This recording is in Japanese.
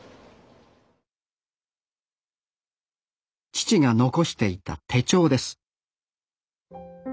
父が残していた手帳です。